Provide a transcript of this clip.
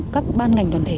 các ban ngành đoàn thể